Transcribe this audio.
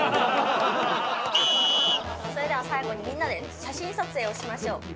それでは最後にみんなで写真撮影をしましょう。